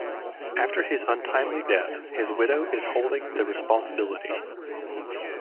After his untimely death, his widow is holding the responsibility.